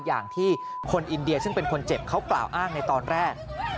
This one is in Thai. อย่างที่คนอินเดียซึ่งเป็นคนเจ็บเขากล่าวอ้างในตอนแรก